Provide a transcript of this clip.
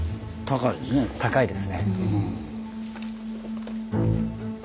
高いですね。